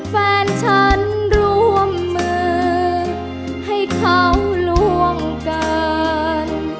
แฟนฉันร่วมมือให้เขาล่วงเกิน